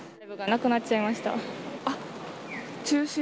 中止になっちゃいました。